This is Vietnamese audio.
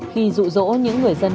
khi dụ dội